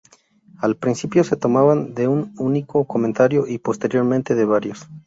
Al principio se tomaban de un único comentario, y posteriormente de varios.